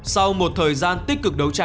sau một thời gian tích cực đối